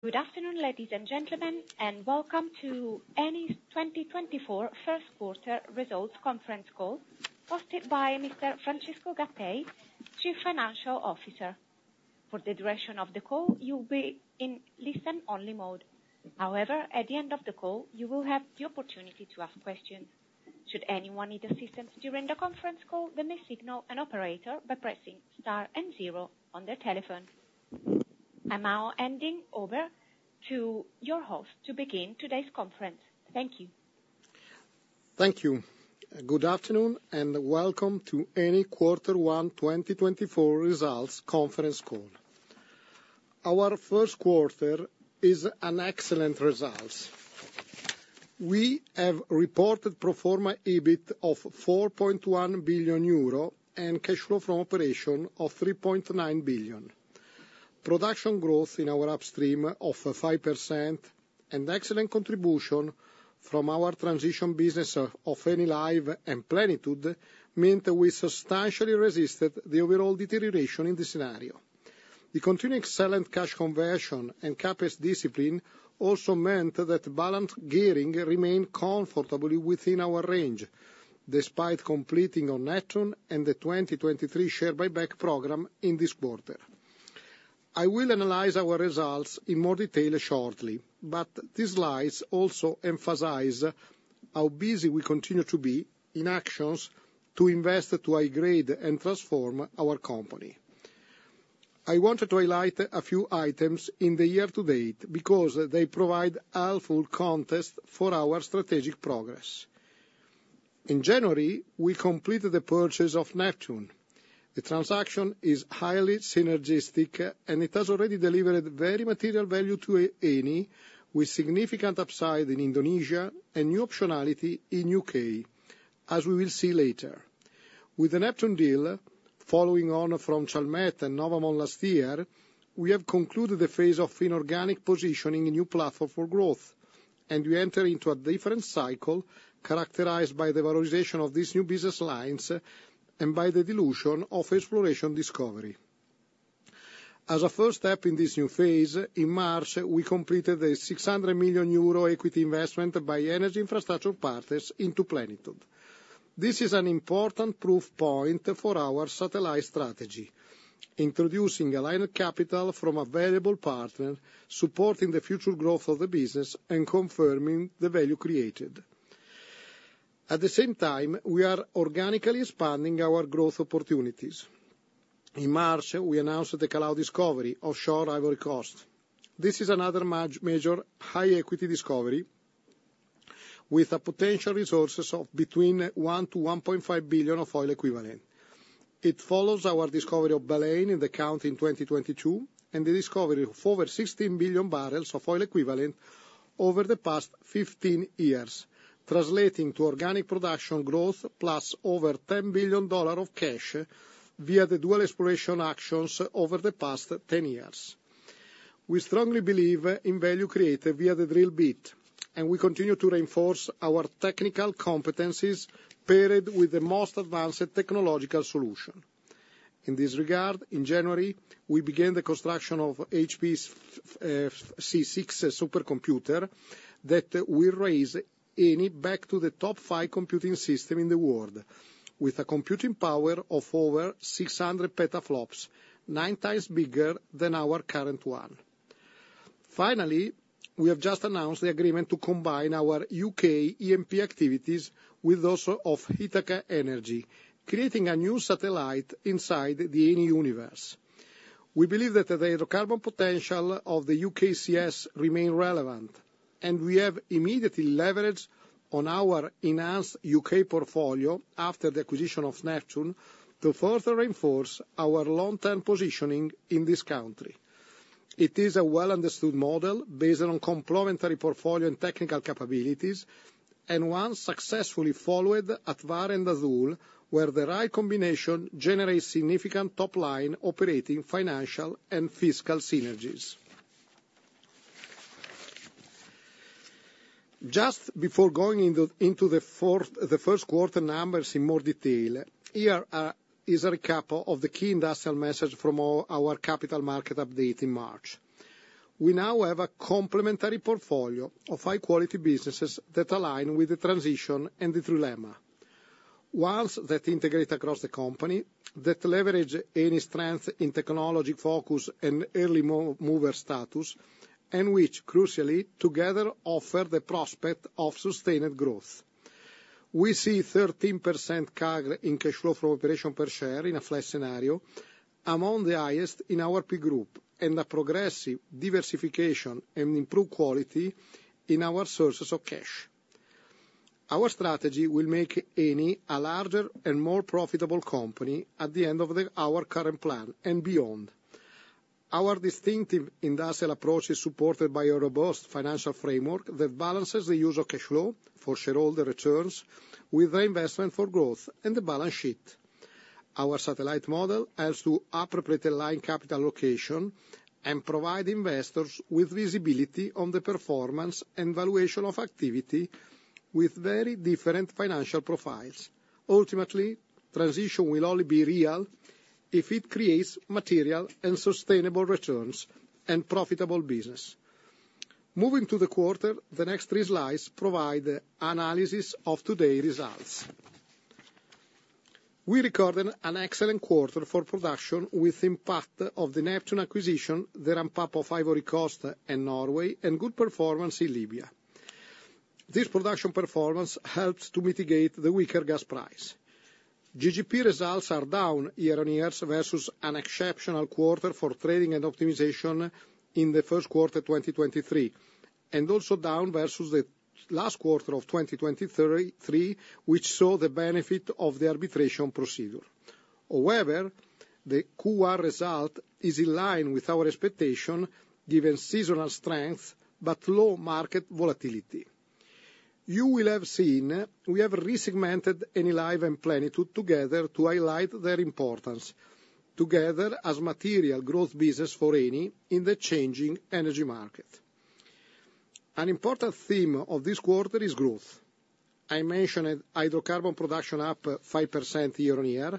Good afternoon, ladies and gentlemen, and welcome to Eni's 2024 first quarter results conference call hosted by Mr. Francesco Gattei, Chief Financial Officer. For the duration of the call, you'll be in listen-only mode. However, at the end of the call, you will have the opportunity to ask questions. Should anyone need assistance during the conference call, they may signal an operator by pressing star and zero on their telephone. I'm now handing over to your host to begin today's conference. Thank you. Thank you. Good afternoon and welcome to Eni quarter one 2024 results conference call. Our first quarter results are excellent. We have reported pro forma EBIT of 4.1 billion euro and cash flow from operations of 3.9 billion. Production growth in our upstream of 5% and excellent contribution from our transition business of Enilive and Plenitude meant we substantially resisted the overall deterioration in this scenario. The continued excellent cash conversion and CapEx discipline also meant that balanced gearing remained comfortably within our range, despite completing on Neptune and the 2023 share buyback program in this quarter. I will analyze our results in more detail shortly, but these slides also emphasize how busy we continue to be in actions to invest to upgrade and transform our company. I want to highlight a few items in the year to date because they provide helpful context for our strategic progress. In January, we completed the purchase of Neptune. The transaction is highly synergistic, and it has already delivered very material value to Eni, with significant upside in Indonesia and new optionality in U.K., as we will see later. With the Neptune deal following on from Chalmette and Novamont last year, we have concluded the phase of inorganic positioning in new platform for growth, and we enter into a different cycle characterized by the valorization of these new business lines and by the dilution of exploration discovery. As a first step in this new phase, in March, we completed the 600 million euro equity investment by Energy Infrastructure Partners into Plenitude. This is an important proof point for our satellite strategy: introducing aligned capital from a valuable partner, supporting the future growth of the business, and confirming the value created. At the same time, we are organically expanding our growth opportunities. In March, we announced the Calao Discovery offshore Ivory Coast. This is another major, major high equity discovery with potential resources of between 1 billion-1.5 billion of oil equivalent. It follows our discovery of Baleine in Côte in 2022 and the discovery of over 16 billion barrels of oil equivalent over the past 15 years, translating to organic production growth plus over $10 billion of cash via the dual exploration actions over the past 10 years. We strongly believe in value created via the drill bit, and we continue to reinforce our technical competencies paired with the most advanced technological solution. In this regard, in January, we began the construction of HPC6 supercomputer that will raise Eni back to the top five computing systems in the world, with a computing power of over 600 petaflops, nine times bigger than our current one. Finally, we have just announced the agreement to combine our UK E&P activities with those of Ithaca Energy, creating a new satellite inside the Eni universe. We believe that the hydrocarbon potential of the UKCS remains relevant, and we have immediately leveraged on our enhanced UK portfolio after the acquisition of Neptune to further reinforce our long-term positioning in this country. It is a well-understood model based on complementary portfolio and technical capabilities, and one successfully followed at Vår and Azule, where the right combination generates significant top-line operating financial and fiscal synergies. Just before going into the first quarter numbers in more detail, here is a recap of the key industrial message from our capital market update in March. We now have a complementary portfolio of high-quality businesses that align with the transition and the trilemma, ones that integrate across the company, that leverage Eni's strength in technology focus and early mover status, and which, crucially, together offer the prospect of sustained growth. We see 13% CAGR in cash flow from operations per share in a flat scenario, among the highest in our peer group, and a progressive diversification and improved quality in our sources of cash. Our strategy will make Eni a larger and more profitable company at the end of our current plan and beyond. Our distinctive industrial approach is supported by a robust financial framework that balances the use of cash flow for shareholder returns with reinvestment for growth and the balance sheet. Our satellite model helps to allocate line capital allocation and provide investors with visibility on the performance and valuation of activity with very different financial profiles. Ultimately, transition will only be real if it creates material and sustainable returns and profitable business. Moving to the quarter, the next three slides provide analysis of today's results. We recorded an excellent quarter for production with impact of the Neptune acquisition, the ramp-up of Ivory Coast and Norway, and good performance in Libya. This production performance helps to mitigate the weaker gas price. GGP results are down year-on-year versus an exceptional quarter for trading and optimization in the first quarter 2023, and also down versus the last quarter of 2023, which saw the benefit of the arbitration procedure. However, the Q1 result is in line with our expectation given seasonal strength but low market volatility. You will have seen we have resegmented Enilive and Plenitude together to highlight their importance, together as material growth business for Eni in the changing energy market. An important theme of this quarter is growth. I mentioned hydrocarbon production up 5% year-on-year,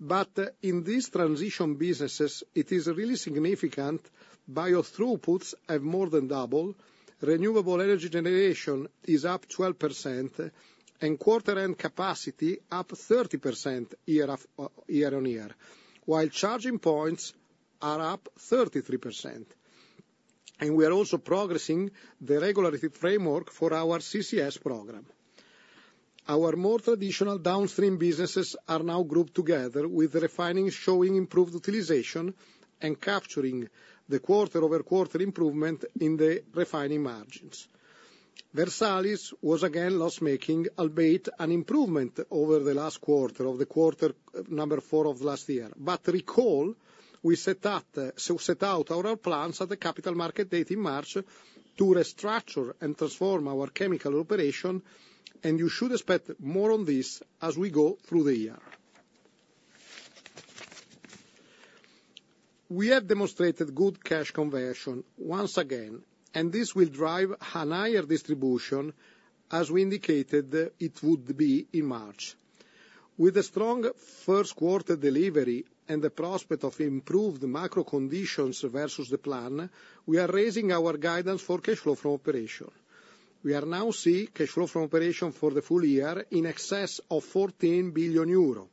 but in these transition businesses, it is really significant: bio throughputs have more than doubled, renewable energy generation is up 12%, and quarter-end capacity up 30% year-on-year, while charging points are up 33%. We are also progressing the regulatory framework for our CCS program. Our more traditional downstream businesses are now grouped together, with refining showing improved utilization and capturing the quarter-over-quarter improvement in the refining margins. Versalis was again loss-making, albeit an improvement over the last quarter of the quarter number four of last year. Recall, we set out our plans at the Capital Markets Day in March to restructure and transform our chemical operation, and you should expect more on this as we go through the year. We have demonstrated good cash conversion once again, and this will drive a higher distribution as we indicated it would be in March. With a strong first-quarter delivery and the prospect of improved macro conditions versus the plan, we are raising our guidance for cash flow from operation. We are now seeing cash flow from operation for the full year in excess of 14 billion euro.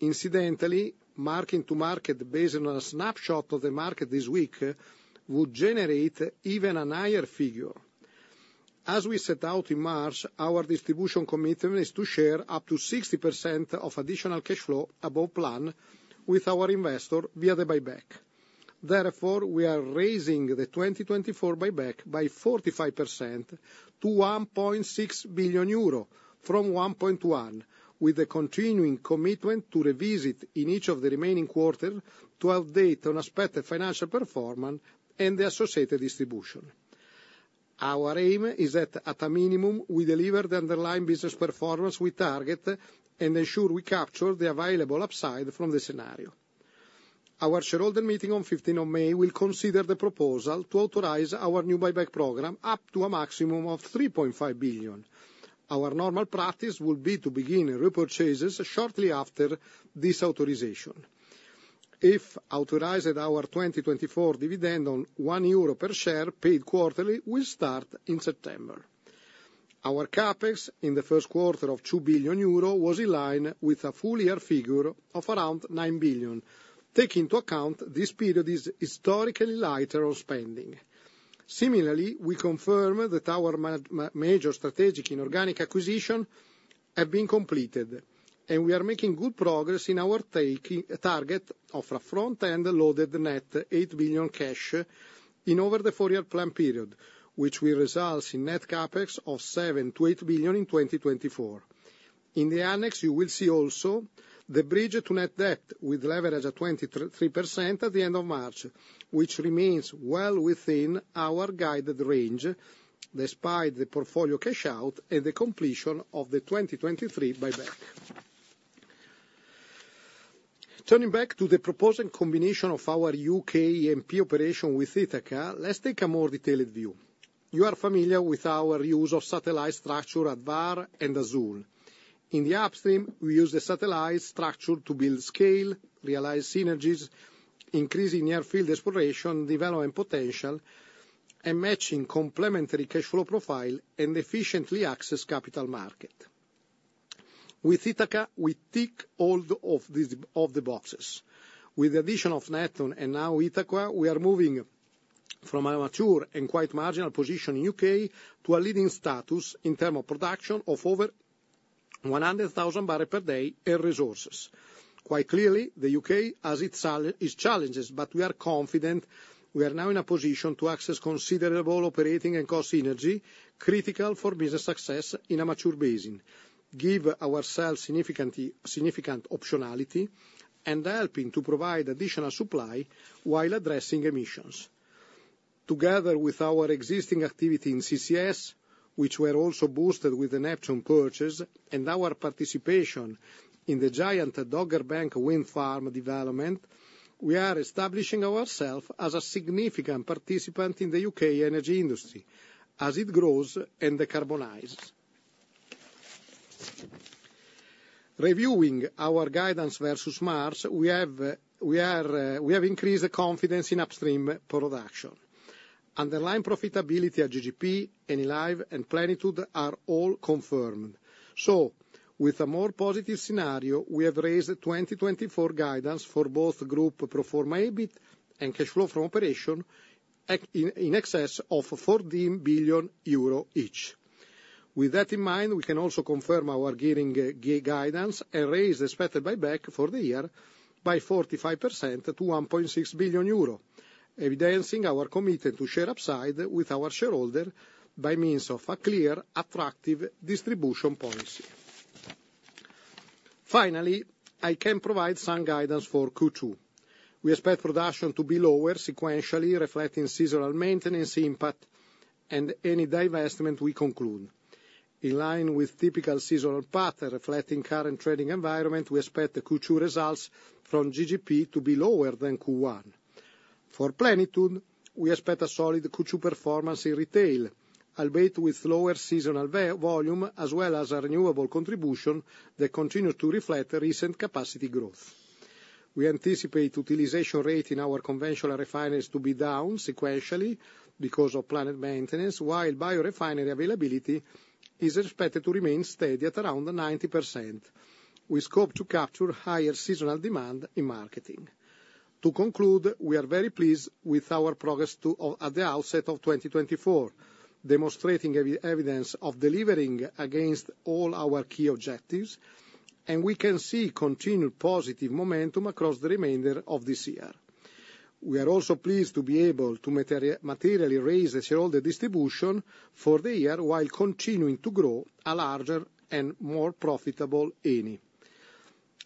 Incidentally, marking to market based on a snapshot of the market this week would generate even a higher figure. As we set out in March, our distribution commitment is to share up to 60% of additional cash flow above plan with our investor via the buyback. Therefore, we are raising the 2024 buyback by 45% to 1.6 billion euro from 1.1 billion, with the continuing commitment to revisit in each of the remaining quarters to update on expected financial performance and the associated distribution. Our aim is that, at a minimum, we deliver the underlying business performance we target and ensure we capture the available upside from this scenario. Our shareholder meeting on 15 May will consider the proposal to authorize our new buyback program up to a maximum of 3.5 billion. Our normal practice will be to begin repurchases shortly after this authorization. If authorized, our 2024 dividend on 1 euro per share paid quarterly will start in September. Our CapEx in the first quarter of 2 billion euro was in line with a full-year figure of around 9 billion, taking into account this period is historically lighter on spending. Similarly, we confirm that our major strategic inorganic acquisition has been completed, and we are making good progress in our target of a front-end loaded net 8 billion cash in over the four-year plan period, which will result in net capex of 7 billion-8 billion in 2024. In the annex, you will see also the bridge to net debt with leverage at 23% at the end of March, which remains well within our guided range despite the portfolio cash-out and the completion of the 2023 buyback. Turning back to the proposed combination of our UK E&P operation with Ithaca, let's take a more detailed view. You are familiar with our use of satellite structure at Vår and Azule. In the upstream, we use the satellite structure to build scale, realize synergies, increase in near-field exploration development potential, and matching complementary cash flow profile and efficiently access capital market. With Ithaca, we tick all of the boxes. With the addition of Neptune and now Ithaca, we are moving from a mature and quite marginal position in U.K. to a leading status in terms of production of over 100,000 barrels per day and resources. Quite clearly, the U.K. has its challenges, but we are confident we are now in a position to access considerable operating and cost synergy critical for business success in a mature basin, giving ourselves significant optionality and helping to provide additional supply while addressing emissions. Together with our existing activity in CCS, which were also boosted with the Neptune purchase and our participation in the giant Dogger Bank wind farm development, we are establishing ourselves as a significant participant in the U.K. energy industry as it grows and decarbonizes. Reviewing our guidance versus MARS, we have increased confidence in upstream production. Underlying profitability at GGP, Enilive, and Plenitude are all confirmed. So, with a more positive scenario, we have raised 2024 guidance for both group pro forma EBIT and cash flow from operations in excess of 14 billion euro each. With that in mind, we can also confirm our dividend guidance and raise the expected buyback for the year by 45% to 1.6 billion euro, evidencing our commitment to share upside with our shareholder by means of a clear, attractive distribution policy. Finally, I can provide some guidance for Q2. We expect production to be lower sequentially, reflecting seasonal maintenance impact and any divestment we conclude. In line with typical seasonal pattern reflecting current trading environment, we expect the Q2 results from GGP to be lower than Q1. For Plenitude, we expect a solid Q2 performance in retail, albeit with lower seasonal volume as well as a renewable contribution that continues to reflect recent capacity growth. We anticipate utilization rate in our conventional refineries to be down sequentially because of planned maintenance, while biorefinery availability is expected to remain steady at around 90%, with scope to capture higher seasonal demand in marketing. To conclude, we are very pleased with our progress at the outset of 2024, demonstrating evidence of delivering against all our key objectives, and we can see continued positive momentum across the remainder of this year. We are also pleased to be able to materially raise the shareholder distribution for the year while continuing to grow a larger and more profitable Eni.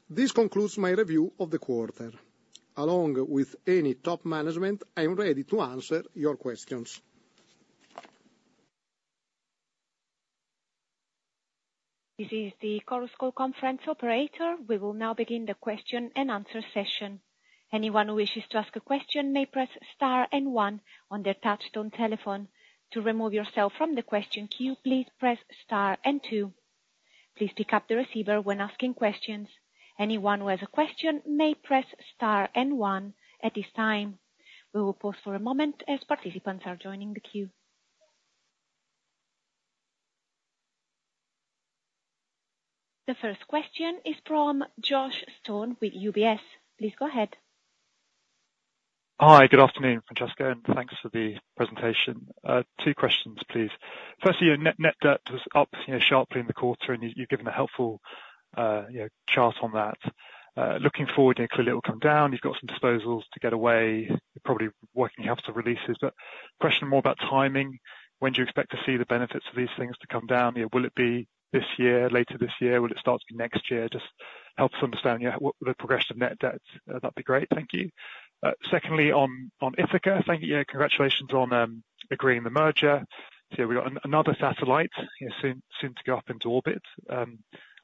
This concludes my review of the quarter. Along with Eni top management, I am ready to answer your questions. This is the Chorus Call Conference Operator. We will now begin the question and answer session. Anyone who wishes to ask a question may press star and one on their touch-tone telephone. To remove yourself from the question queue, please press star and two. Please pick up the receiver when asking questions. Anyone who has a question may press star and one at this time. We will pause for a moment as participants are joining the queue. The first question is from Josh Stone with UBS. Please go ahead. Hi. Good afternoon, Francesco, and thanks for the presentation. Two questions, please. Firstly, your net debt was up sharply in the quarter, and you've given a helpful chart on that. Looking forward, clearly it will come down. You've got some disposals to get away, probably working capital releases. But question more about timing. When do you expect to see the benefits of these things to come down? Will it be this year, later this year? Will it start to be next year? Just help us understand the progression of net debt. That'd be great. Thank you. Secondly, on Ithaca, thank you. Congratulations on agreeing the merger. We've got another satellite soon to go up into orbit. I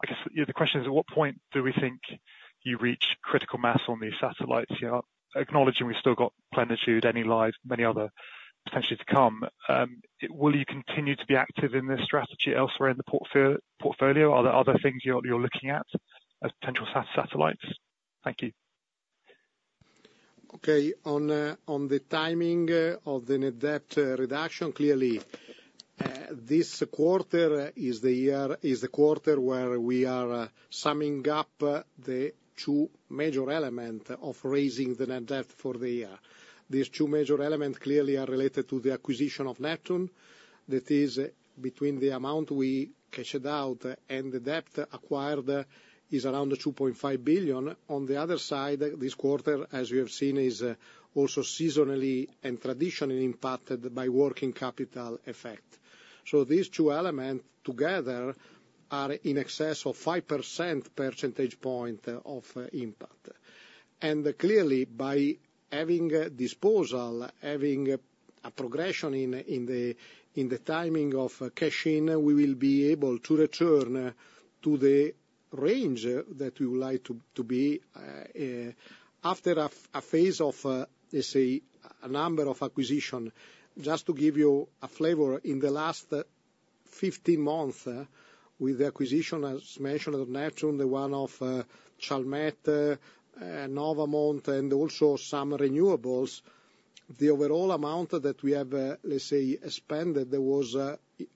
guess the question is, at what point do we think you reach critical mass on these satellites? Acknowledging we've still got Plenitude, Enilive, many other potentially to come. Will you continue to be active in this strategy elsewhere in the portfolio? Are there other things you're looking at as potential satellites? Thank you. Okay. On the timing of the net debt reduction, clearly, this quarter is the quarter where we are summing up the two major elements of raising the net debt for the year. These two major elements clearly are related to the acquisition of Neptune. That is, between the amount we cashed out and the debt acquired is around 2.5 billion. On the other side, this quarter, as you have seen, is also seasonally and traditionally impacted by working capital effect. So these two elements together are in excess of 5 percentage points of impact. And clearly, by having disposal, having a progression in the timing of cash-in, we will be able to return to the range that we would like to be after a phase of, let's say, a number of acquisitions. Just to give you a flavor, in the last 15 months with the acquisition, as mentioned, of Neptune, the one of Chalmette, Novamont, and also some renewables, the overall amount that we have, let's say, spent, there was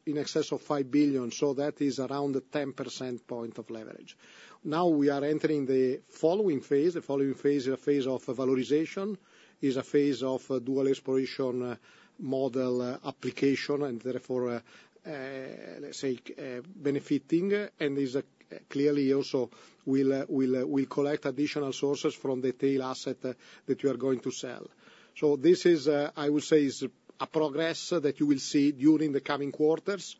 in excess of 5 billion. So that is around the 10% point of leverage. Now we are entering the following phase. The following phase is a phase of valorization, is a phase of dual exploration model application, and therefore, let's say, benefiting. And clearly, also, we'll collect additional sources from the tail asset that we are going to sell. So this is, I would say, a progress that you will see during the coming quarters,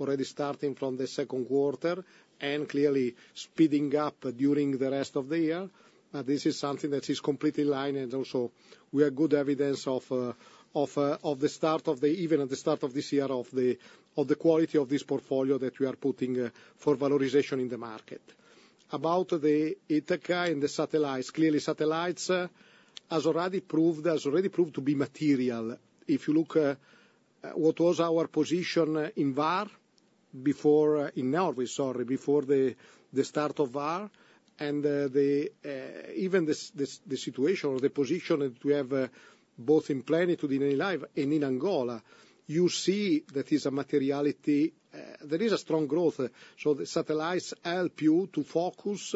already starting from the second quarter and clearly speeding up during the rest of the year. This is something that is completely in line, and also we have good evidence of the start of the even at the start of this year of the quality of this portfolio that we are putting for valorization in the market. About Ithaca and the satellites, clearly, satellites has already proved to be material. If you look at what was our position in Vår before in Norway, sorry, before the start of Vår. And even the situation or the position that we have both in Plenitude and in Enilive and in Angola, you see that is a materiality there is a strong growth. So the satellites help you to focus,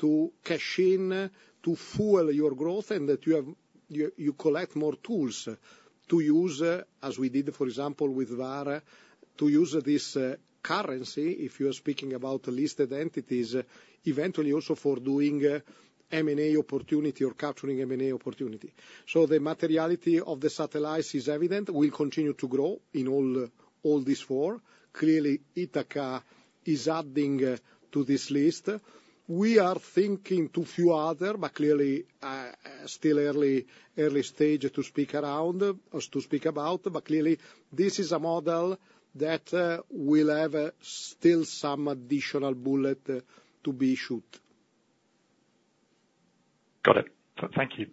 to cash in, to fuel your growth, and that you collect more tools to use, as we did, for example, with Vår, to use this currency, if you are speaking about listed entities, eventually also for doing M&A opportunity or capturing M&A opportunity. So the materiality of the satellites is evident. We'll continue to grow in all these four. Clearly, Ithaca is adding to this list. We are thinking to a few other, but clearly, still early stage to speak around, to speak about. But clearly, this is a model that will have still some additional bullet to be issued. Got it. Thank you.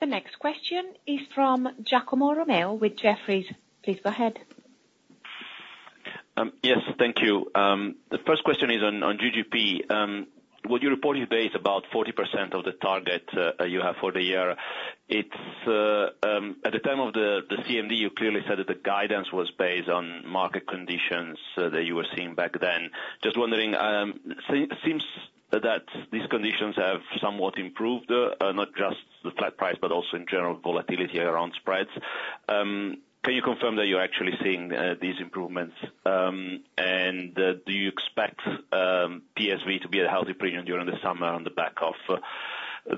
The next question is from Giacomo Romeo with Jefferies. Please go ahead. Yes. Thank you. The first question is on GGP. What you report is based about 40% of the target you have for the year. At the time of the CMD, you clearly said that the guidance was based on market conditions that you were seeing back then. Just wondering, it seems that these conditions have somewhat improved, not just the flat price, but also in general volatility around spreads. Can you confirm that you're actually seeing these improvements? And do you expect PSV to be at a healthy premium during the summer on the back of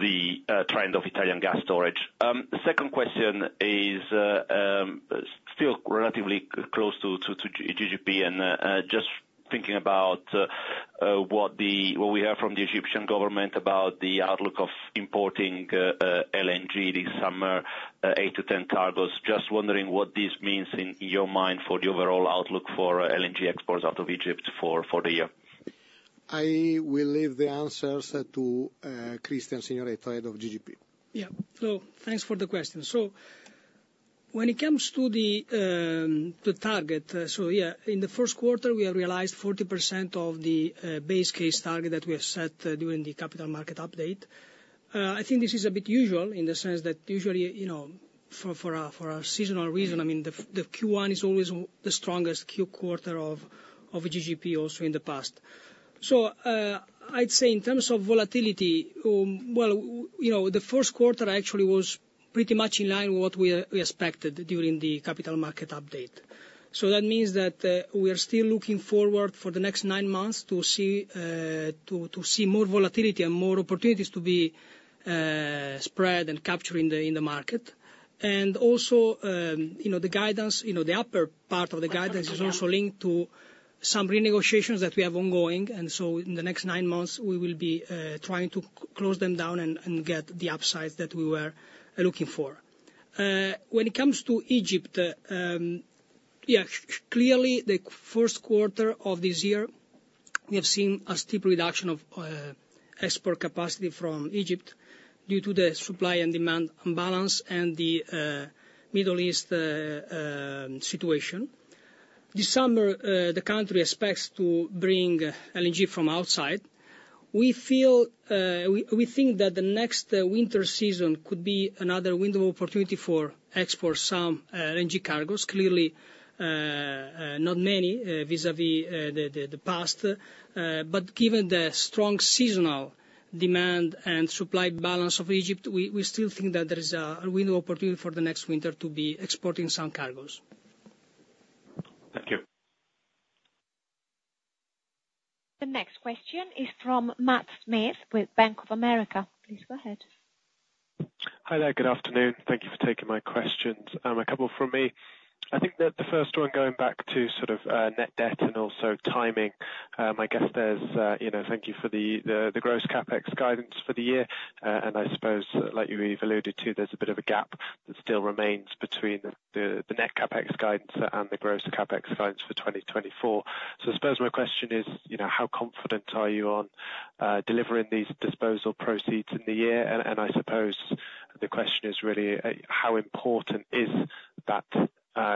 the trend of Italian gas storage? The second question is still relatively close to GGP. Just thinking about what we heard from the Egyptian government about the outlook of importing LNG this summer, 8-10 cargoes, just wondering what this means in your mind for the overall outlook for LNG exports out of Egypt for the year. I will leave the answers to Cristian Signoretto, head of GGP. Yeah. So thanks for the question. So when it comes to the target, so yeah, in the first quarter, we have realized 40% of the base case target that we have set during the capital market update. I think this is a bit usual in the sense that usually, for a seasonal reason, I mean, the Q1 is always the strongest quarter of GGP also in the past. So I'd say in terms of volatility, well, the first quarter actually was pretty much in line with what we expected during the capital market update. So that means that we are still looking forward for the next nine months to see more volatility and more opportunities to be spread and captured in the market. And also, the guidance, the upper part of the guidance is also linked to some renegotiations that we have ongoing. And so in the next nine months, we will be trying to close them down and get the upsides that we were looking for. When it comes to Egypt, yeah, clearly, the first quarter of this year, we have seen a steep reduction of export capacity from Egypt due to the supply and demand imbalance and the Middle East situation. This summer, the country expects to bring LNG from outside. We think that the next winter season could be another window of opportunity for export some LNG cargoes. Clearly, not many vis-à-vis the past. But given the strong seasonal demand and supply balance of Egypt, we still think that there is a window of opportunity for the next winter to be exporting some cargoes. Thank you. The next question is from Matt Smith with Bank of America. Please go ahead. Hi there. Good afternoon. Thank you for taking my questions. A couple from me. I think that the first one, going back to sort of net debt and also timing, I guess there's thank you for the gross CapEx guidance for the year. And I suppose, like you've alluded to, there's a bit of a gap that still remains between the net CapEx guidance and the gross CapEx guidance for 2024. So I suppose my question is, how confident are you on delivering these disposal proceeds in the year? I suppose the question is really, how important is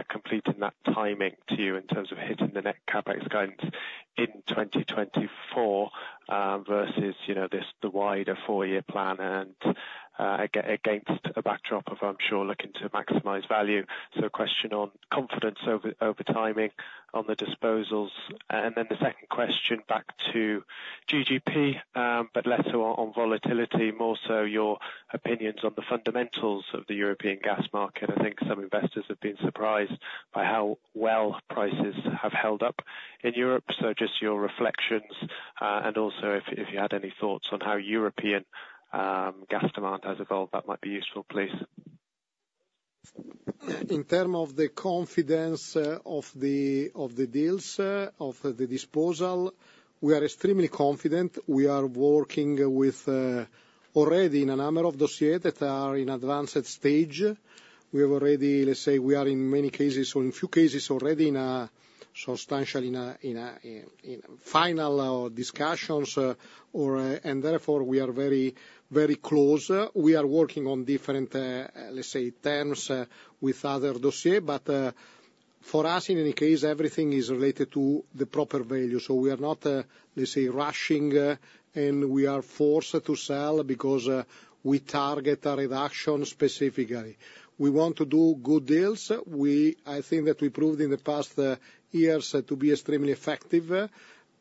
completing that timing to you in terms of hitting the net CapEx guidance in 2024 versus the wider four-year plan against a backdrop of, I'm sure, looking to maximize value? A question on confidence over timing on the disposals. The second question back to GGP, but less on volatility, more so your opinions on the fundamentals of the European gas market. I think some investors have been surprised by how well prices have held up in Europe. Just your reflections and also if you had any thoughts on how European gas demand has evolved, that might be useful, please. In terms of the confidence of the deals, of the disposal, we are extremely confident. We are working with already in a number of dossiers that are in advanced stage. We have already, let's say, we are in many cases or in few cases already substantially in final discussions. And therefore, we are very, very close. We are working on different, let's say, terms with other dossiers. But for us, in any case, everything is related to the proper value. So we are not, let's say, rushing, and we are forced to sell because we target a reduction specifically. We want to do good deals. I think that we proved in the past years to be extremely effective.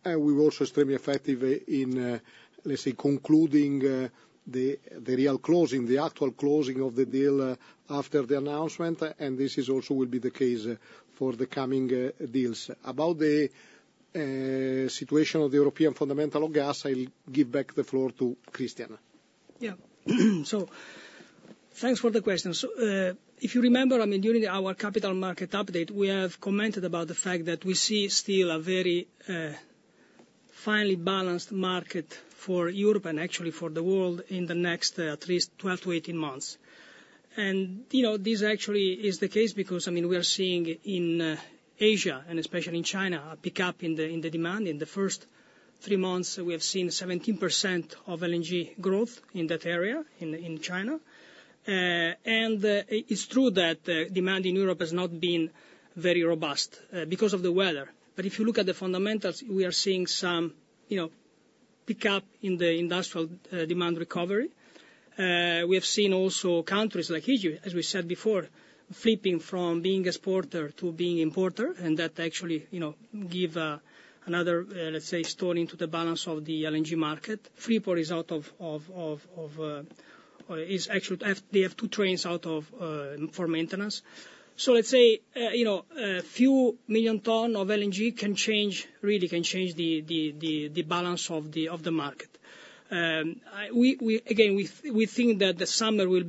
And we were also extremely effective in, let's say, concluding the real closing, the actual closing of the deal after the announcement. And this also will be the case for the coming deals. About the situation of the European fundamental of gas, I'll give back the floor to Cristian. Yeah. So thanks for the question. If you remember, I mean, during our capital market update, we have commented about the fact that we see still a very finely balanced market for Europe and actually for the world in the next at least 12-18 months. And this actually is the case because, I mean, we are seeing in Asia and especially in China a pickup in the demand. In the first three months, we have seen 17% of LNG growth in that area, in China. And it's true that demand in Europe has not been very robust because of the weather. But if you look at the fundamentals, we are seeing some pickup in the industrial demand recovery. We have seen also countries like Egypt, as we said before, flipping from being exporter to being importer. And that actually gives another, let's say, stone into the balance of the LNG market. Freeport is out. It is actually they have two trains out for maintenance. So let's say, a few million tons of LNG can change really can change the balance of the market. Again, we think that the summer will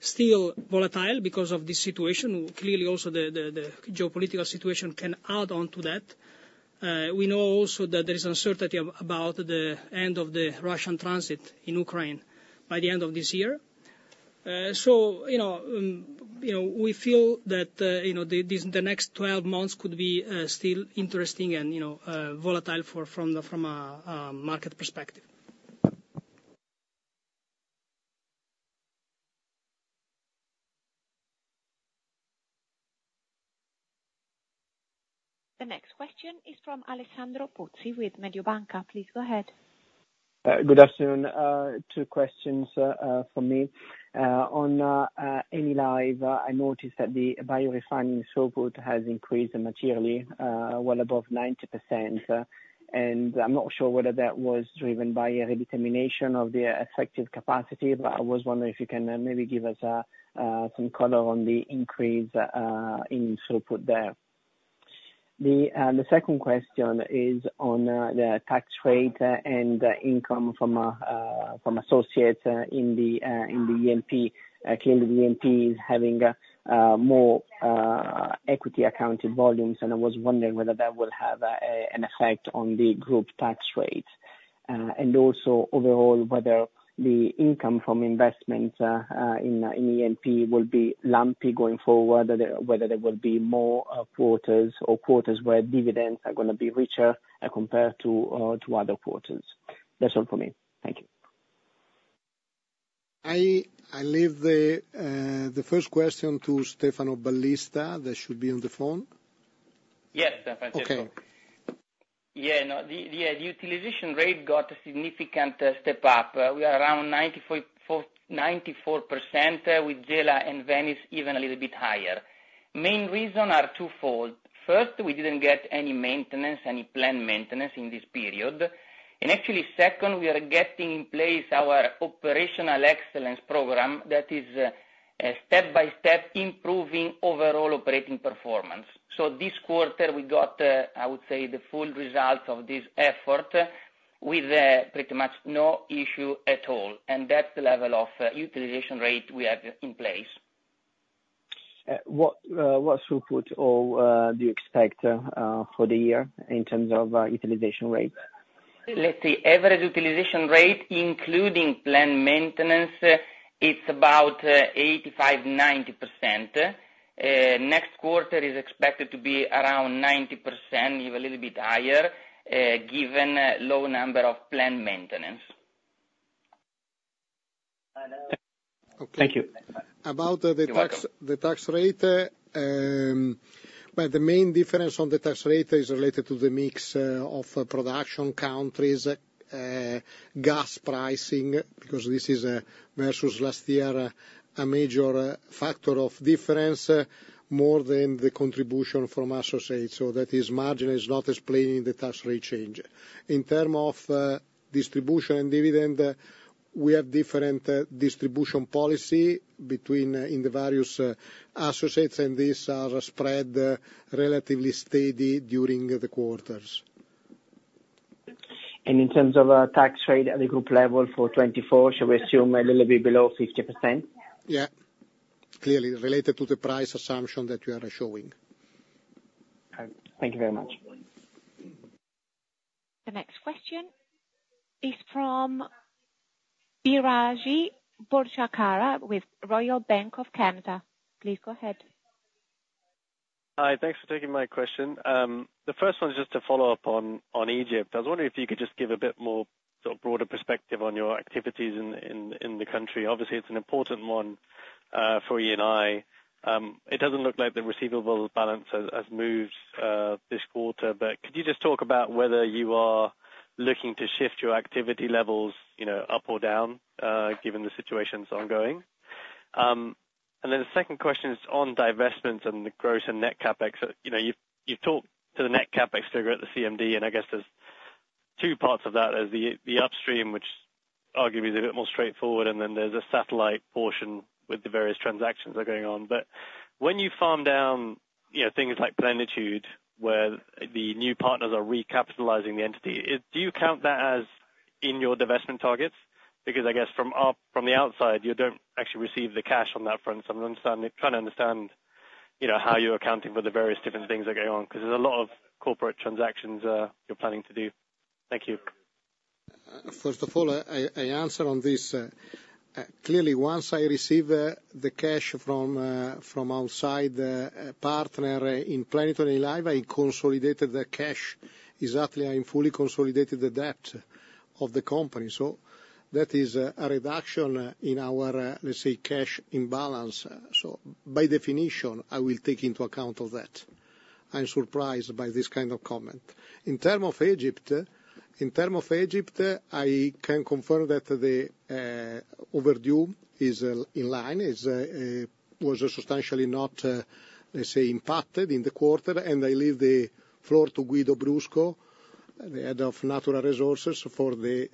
still be volatile because of this situation. Clearly, also, the geopolitical situation can add on to that. We know also that there is uncertainty about the end of the Russian transit in Ukraine by the end of this year. So we feel that the next 12 months could be still interesting and volatile from a market perspective. The next question is from Alessandro Pozzi with Mediobanca. Please go ahead. Good afternoon. Two questions from me. On Enilive, I noticed that the biorefining throughput has increased materially, well above 90%. And I'm not sure whether that was driven by a redetermination of the effective capacity. But I was wondering if you can maybe give us some color on the increase in throughput there. The second question is on the tax rate and income from associates in the ENP. Clearly, the ENP is having more equity-accounted volumes. And I was wondering whether that will have an effect on the group tax rate. And also, overall, whether the income from investments in ENP will be lumpy going forward, whether there will be more quarters or quarters where dividends are going to be richer compared to other quarters. That's all from me. Thank you. I leave the first question to Stefano Ballista that should be on the phone. Yes. OK. Yeah. The utilization rate got a significant step up. We are around 94% with Gela and Venice, even a little bit higher. Main reason are twofold. First, we didn't get any maintenance, any planned maintenance in this period. Actually, second, we are getting in place our operational excellence program that is step-by-step improving overall operating performance. So this quarter, we got, I would say, the full results of this effort with pretty much no issue at all. And that's the level of utilization rate we have in place. What throughput do you expect for the year in terms of utilization rate? Let's say, average utilization rate, including planned maintenance, it's about 85%-90%. Next quarter is expected to be around 90%, even a little bit higher, given low number of planned maintenance. Thank you. About the tax rate, well, the main difference on the tax rate is related to the mix of production countries, gas pricing, because this is versus last year a major factor of difference more than the contribution from associates. So that is margin is not explaining the tax rate change. In terms of distribution and dividend, we have different distribution policy between the various associates. These are spread relatively steady during the quarters. In terms of tax rate at the group level for 2024, shall we assume a little bit below 50%? Yeah. Clearly, related to the price assumption that you are showing. Thank you very much. The next question is from Biraj Borkhataria with Royal Bank of Canada. Please go ahead. Hi. Thanks for taking my question. The first one is just to follow up on Egypt. I was wondering if you could just give a bit more sort of broader perspective on your activities in the country. Obviously, it's an important one for Eni. It doesn't look like the receivable balance has moved this quarter. Could you just talk about whether you are looking to shift your activity levels up or down given the situation that's ongoing? And then the second question is on divestments and the gross and net CapEx. You've talked to the net CapEx figure at the CMD. And I guess there's two parts of that. There's the upstream, which arguably is a bit more straightforward. And then there's a satellite portion with the various transactions that are going on. But when you farm down things like Plenitude where the new partners are recapitalizing the entity, do you count that as in your divestment targets? Because I guess from the outside, you don't actually receive the cash on that front. So I'm trying to understand how you're accounting for the various different things that are going on because there's a lot of corporate transactions you're planning to do. Thank you. First of all, I answer on this. Clearly, once I receive the cash from outside partner in Plenitude and Enilive, I consolidated the cash exactly. I fully consolidated the debt of the company. So that is a reduction in our, let's say, cash imbalance. So by definition, I will take into account all that. I'm surprised by this kind of comment. In terms of Egypt, in terms of Egypt, I can confirm that the overdue is in line, was substantially not, let's say, impacted in the quarter. And I leave the floor to Guido Brusco, the Head of Natural Resources, for the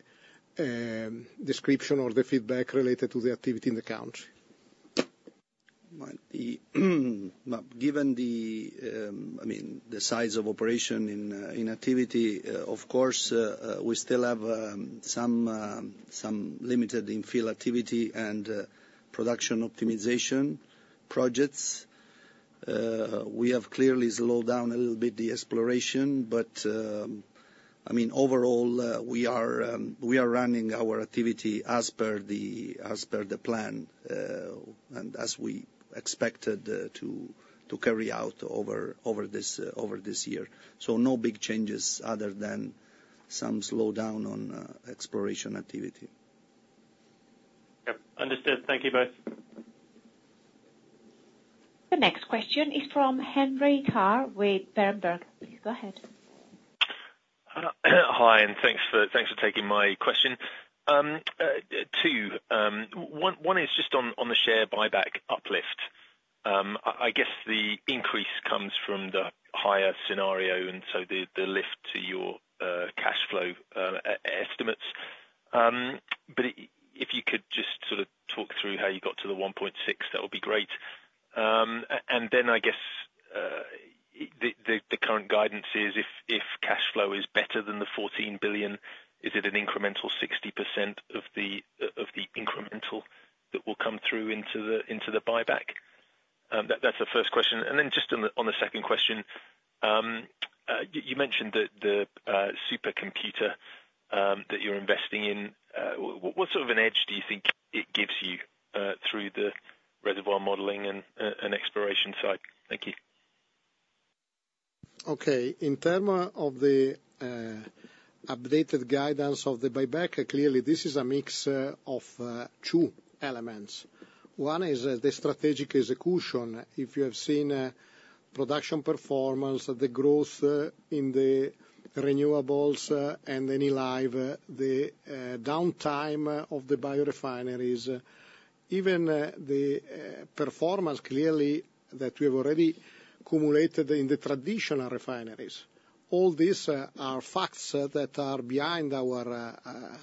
description or the feedback related to the activity in the country. Given the, I mean, the size of operation in activity, of course, we still have some limited in-field activity and production optimization projects. We have clearly slowed down a little bit the exploration. But I mean, overall, we are running our activity as per the plan and as we expected to carry out over this year. So no big changes other than some slowdown on exploration activity. Yep. Understood. Thank you both. The next question is from Henry Tarr with Berenberg. Please go ahead. Hi. And thanks for taking my question. Two. One is just on the share buyback uplift. I guess the increase comes from the higher scenario and so the lift to your cash flow estimates. But if you could just sort of talk through how you got to the 1.6 billion, that would be great. And then I guess the current guidance is if cash flow is better than the 14 billion, is it an incremental 60% of the incremental that will come through into the buyback? That's the first question. And then just on the second question, you mentioned the supercomputer that you're investing in. What sort of an edge do you think it gives you through the reservoir modeling and exploration side? Thank you. Okay. In terms of the updated guidance of the buyback, clearly, this is a mix of two elements. One is the strategic execution. If you have seen production performance, the growth in the renewables and Enilive, the downtime of the biorefineries, even the performance, clearly, that we have already cumulated in the traditional refineries, all these are facts that are behind the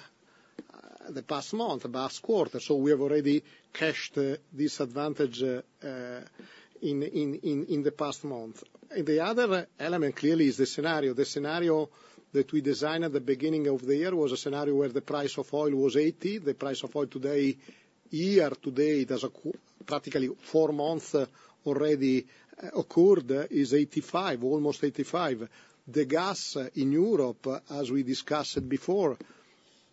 past month, past quarter. So we have already cashed this advantage in the past month. And the other element, clearly, is the scenario. The scenario that we designed at the beginning of the year was a scenario where the price of oil was $80. The price of oil today, year to date, as practically four months already occurred, is $85, almost $85. The gas in Europe, as we discussed before,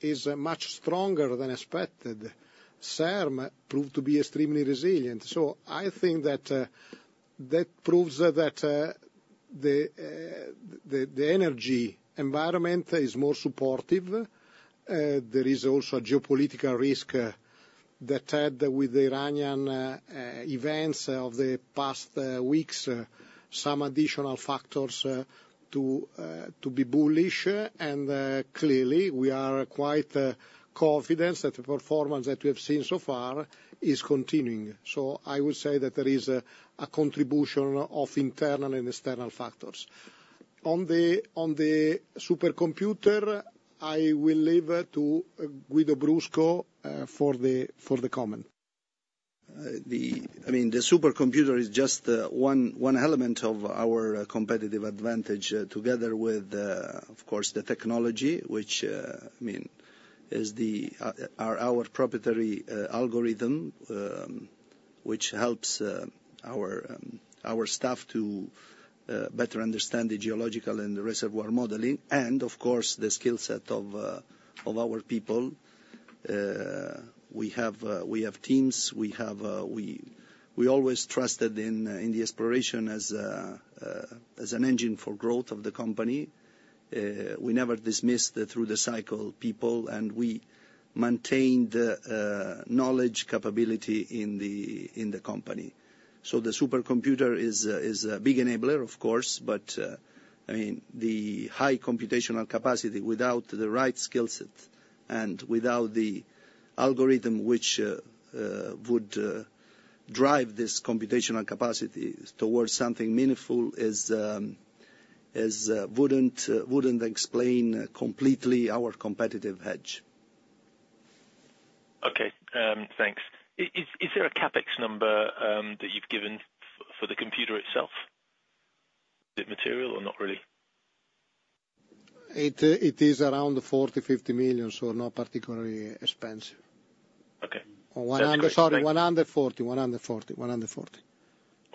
is much stronger than expected. SERM proved to be extremely resilient. So I think that proves that the energy environment is more supportive. There is also a geopolitical risk that had with the Iranian events of the past weeks some additional factors to be bullish. And clearly, we are quite confident that the performance that we have seen so far is continuing. So I would say that there is a contribution of internal and external factors. On the supercomputer, I will leave to Guido Brusco for the comment. I mean, the supercomputer is just one element of our competitive advantage together with, of course, the technology, which, I mean, is our proprietary algorithm, which helps our staff to better understand the geological and the reservoir modeling. And of course, the skill set of our people. We have teams. We always trusted in the exploration as an engine for growth of the company. We never dismissed through the cycle people. And we maintained knowledge, capability in the company. So the supercomputer is a big enabler, of course. But I mean, the high computational capacity without the right skill set and without the algorithm which would drive this computational capacity towards something meaningful wouldn't explain completely our competitive hedge. Okay. Thanks. Is there a CapEx number that you've given for the computer itself? Is it material or not really? It is around 40 million-50 million. So not particularly expensive. Sorry, 140 million, 140 million, 140 million. 140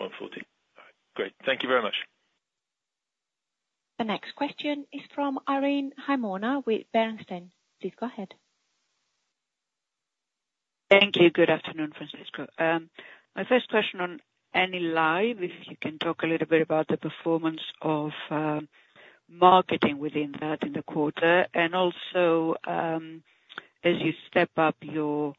million. All right. Great. Thank you very much. The next question is from Irene Himona with Bernstein. Please go ahead. Thank you. Good afternoon, Francesco. My first question on Enilive, if you can talk a little bit about the performance of marketing within that in the quarter. And also, as you step up your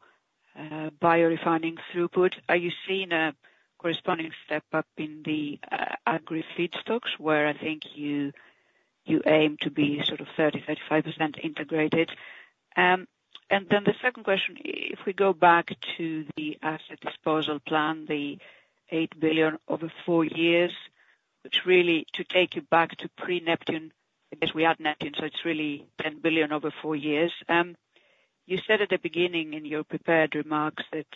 biorefining throughput, are you seeing a corresponding step up in the agri-feedstocks where I think you aim to be sort of 30%-35% integrated? And then the second question, if we go back to the asset disposal plan, the 8 billion over four years, which really to take you back to pre-Neptune, I guess we had Neptune. So it's really 10 billion over four years. You said at the beginning in your prepared remarks that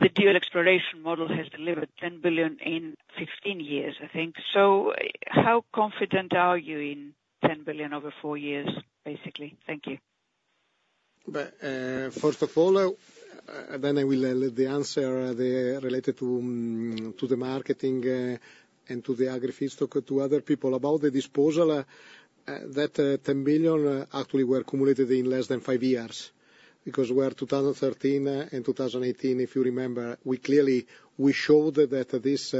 the dual exploration model has delivered 10 billion in 15 years, I think. So how confident are you in 10 billion over four years, basically? Thank you. First of all, and then I will let the answer related to the marketing and to the agri-feedstock to other people about the disposal, that 10 billion actually were accumulated in less than 5 years because where 2013 and 2018, if you remember, clearly, we showed that this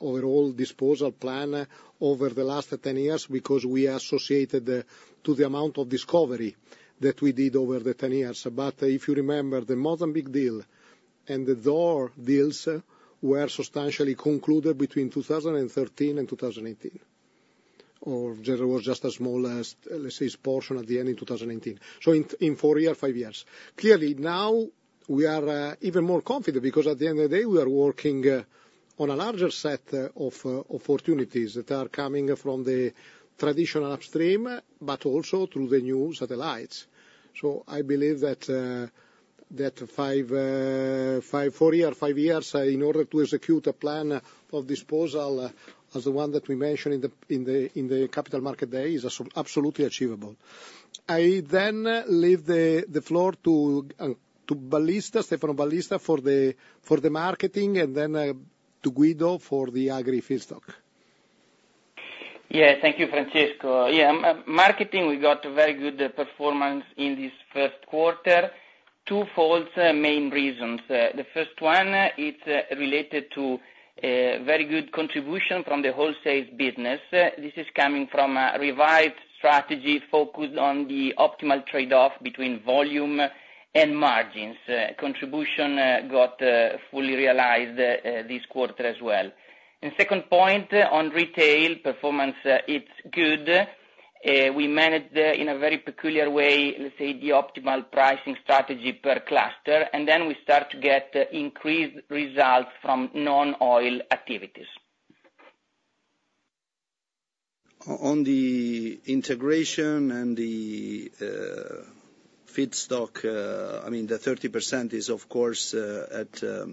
overall disposal plan over the last 10 years because we associated to the amount of discovery that we did over the 10 years. But if you remember, the modern big deal and the Zohr deals were substantially concluded between 2013 and 2018. Or there was just a smallest, let's say, portion at the end in 2018, so in four years, five years. Clearly, now we are even more confident because at the end of the day, we are working on a larger set of opportunities that are coming from the traditional upstream but also through the new satellites. So I believe that four years, five years, in order to execute a plan of disposal as the one that we mentioned in the Capital Markets Day is absolutely achievable. I then leave the floor to Stefano Ballista for the marketing and then to Guido for the agri-feedstock. Yeah. Thank you, Francesco. Yeah. Marketing, we got very good performance in this first quarter. Two main reasons. The first one, it's related to very good contribution from the wholesale business. This is coming from a revised strategy focused on the optimal trade-off between volume and margins. Contribution got fully realized this quarter as well. And second point, on retail performance, it's good. We managed in a very peculiar way, let's say, the optimal pricing strategy per cluster. Then we start to get increased results from non-oil activities. On the integration and the feedstock, I mean, the 30% is, of course, at a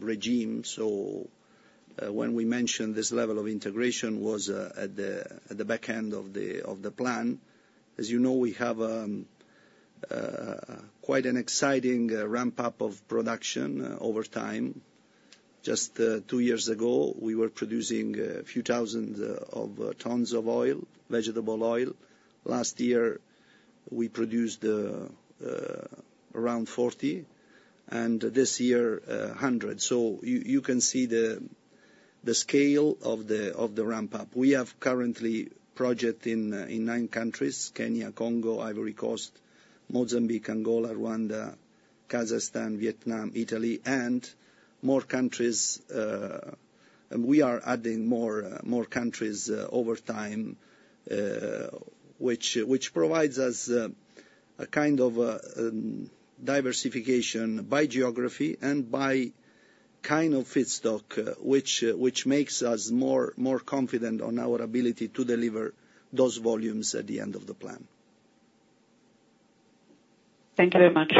regime. So when we mentioned this level of integration was at the back end of the plan. As you know, we have quite an exciting ramp-up of production over time. Just two years ago, we were producing a few thousand tons of vegetable oil. Last year, we produced around 40. And this year, 100. So you can see the scale of the ramp-up. We have currently projects in nine countries: Kenya, Congo, Ivory Coast, Mozambique, Angola, Rwanda, Kazakhstan, Vietnam, Italy, and more countries. We are adding more countries over time, which provides us a kind of diversification by geography and by kind of feedstock, which makes us more confident on our ability to deliver those volumes at the end of the plan. Thank you very much.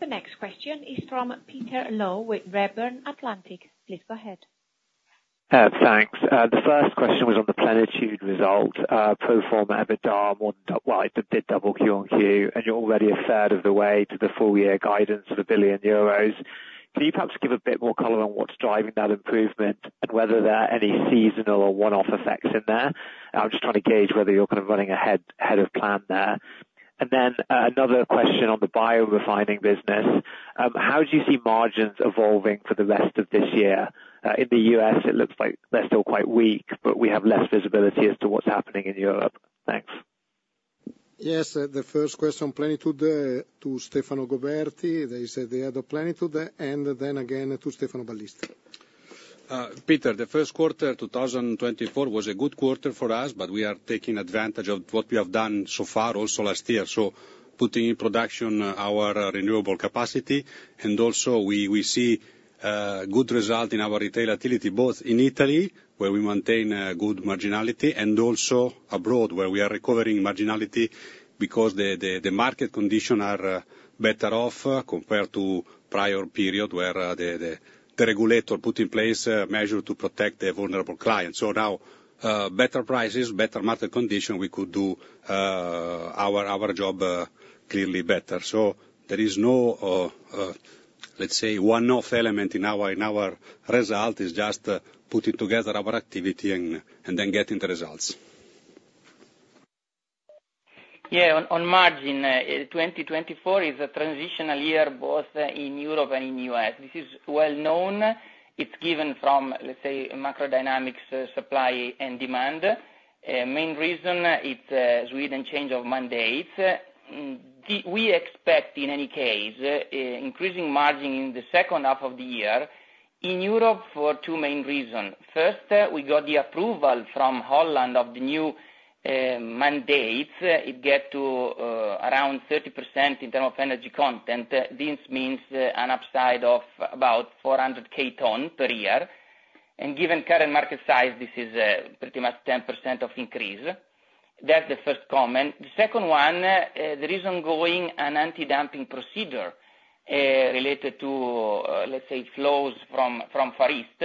The next question is from Peter Low with Redburn Atlantic. Please go ahead. Thanks. The first question was on the Plenitude result. Pro forma EBITDA. Well, it did double Q-on-Q. And you're already a third of the way to the full-year guidance of 1 billion euros. Can you perhaps give a bit more color on what's driving that improvement and whether there are any seasonal or one-off effects in there? I'm just trying to gauge whether you're kind of running ahead of plan there. And then another question on the biorefining business. How do you see margins evolving for the rest of this year? In the U.S., it looks like they're still quite weak, but we have less visibility as to what's happening in Europe. Thanks. Yes. The first question, Plenitude, to Stefano Goberti, they said the head of Plenitude and then again to Stefano Ballista. Peter, the first quarter, 2024, was a good quarter for us, but we are taking advantage of what we have done so far also last year, so putting in production our renewable capacity. And also, we see good results in our retail activity, both in Italy, where we maintain good marginality, and also abroad, where we are recovering marginality because the market conditions are better off compared to prior period where the regulator put in place measures to protect the vulnerable clients. So now, better prices, better market conditions, we could do our job clearly better. So there is no, let's say, one-off element in our result. It's just putting together our activity and then getting the results. Yeah. On margin, 2024 is a transitional year both in Europe and in the U.S. This is well known. It's given from, let's say, macrodynamics, supply and demand. Main reason, it's Sweden change of mandates. We expect, in any case, increasing margin in the second half of the year in Europe for two main reasons. First, we got the approval from Holland of the new mandates. It gets to around 30% in terms of energy content. This means an upside of about 400,000 tonnes per year. And given current market size, this is pretty much 10% of increase. That's the first comment. The second one, there is ongoing an anti-dumping procedure related to, let's say, flows from Far East.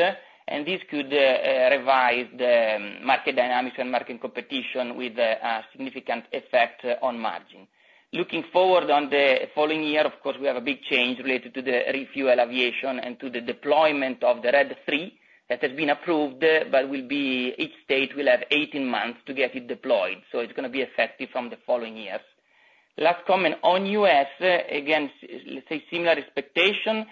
And this could revise the market dynamics and market competition with a significant effect on margin. Looking forward on the following year, of course, we have a big change related to ReFuelEU Aviation and to the deployment of Red III that has been approved but will be each state will have 18 months to get it deployed. So it's going to be effective from the following years. Last comment on US, again, let's say, similar expectation,